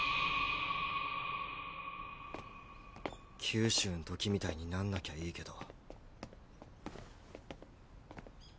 九州んときみたいになんなきゃいいけど。